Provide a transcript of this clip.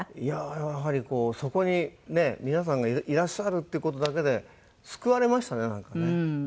いやーやはりそこにねえ皆さんがいらっしゃるっていう事だけで救われましたねなんかね。